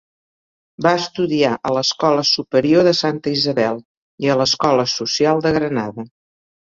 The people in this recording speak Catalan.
Va estudiar a l'Escola Superior de Santa Isabel i a l'escola social de Granada.